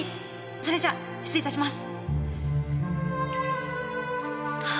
それじゃ失礼いたします！